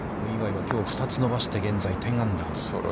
小祝はきょう２つ伸ばして、現在、１０アンダー。